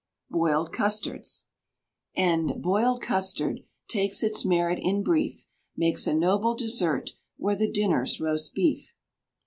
BOILED CUSTARDS. And boiled custard, take its merit in brief, Makes a noble dessert, where the dinner's roast beef.